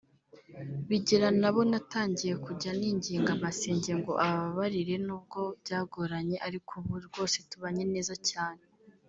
bigera n’abo natangiye kujya ninginga Masenge ngo abababarire n’ubwo byagoranye ariko ubu rwose tubanye neza cyane